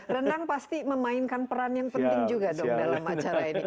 rendang pasti memainkan peran yang penting juga dong dalam acara ini